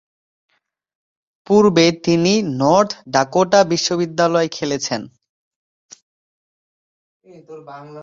পূর্বে তিনি North Dakota বিশ্ববিদ্যালয়ে খেলেছেন।